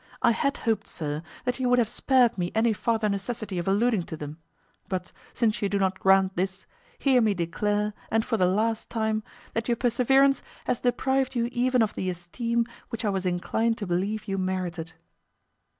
I had hoped, sir, that you would have spared me any farther necessity of alluding to them; but, since you do not grant this, hear me declare, and for the last time, that your perseverance has deprived you even of the esteem, which I was inclined to believe you merited."